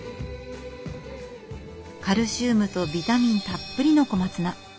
カルシウムとビタミンたっぷりの小松菜。